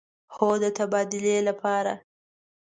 هو، د تبادلې لپاره